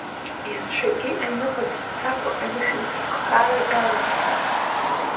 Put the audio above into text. Ианшагьы, аҩныҟа дымцаӡакәа, анышәынҭра ахкаара далагеит.